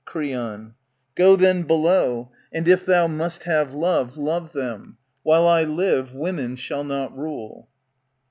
Creon, Go then below ; and if thou must have love, Love them. While I live, women shall not rule.